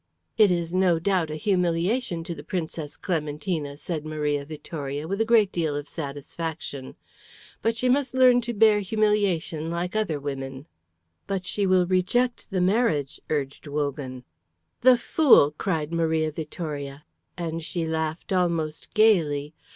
"It is no doubt a humiliation to the Princess Clementina," said Maria Vittoria, with a great deal of satisfaction. "But she must learn to bear humiliation like other women." "But she will reject the marriage," urged Wogan. "The fool!" cried Maria Vittoria, and she laughed almost gaily.